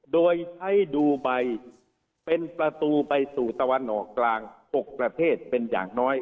โดยใช้ดูไบเป็นประตูไปสู่ตะวันออกกลาง๖ประเทศเป็นอย่างน้อย